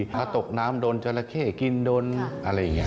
พระตกน้ำโดนจราเข้กินโดนอะไรอย่างนี้